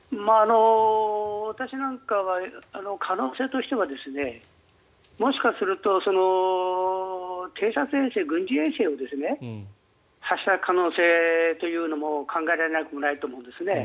私なんかは可能性としてはもしかすると偵察衛星、軍事衛星を発射の可能性というのも考えられなくもないと思うんですね。